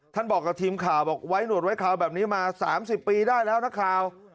บอกกับทีมข่าวบอกไว้หนวดไว้คราวแบบนี้มา๓๐ปีได้แล้วนักข่าว